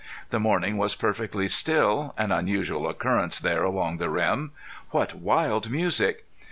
The morning was perfectly still, an unusual occurrence there along the rim. What wild music!